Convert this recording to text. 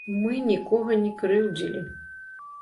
Мы нікога не крыўдзілі.